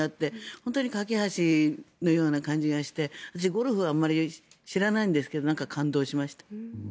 本当に懸け橋のような感じがして私、ゴルフはあんまり知らないんですけどなんか感動しました。